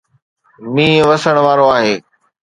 مينهن وسڻ وارو آهي